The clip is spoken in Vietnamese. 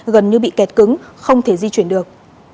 gần như bị kẹt cứng không thể di chuyển được